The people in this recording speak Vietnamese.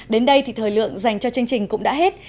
đến đây thì thời lượng dành cho chương trình cũng đã hết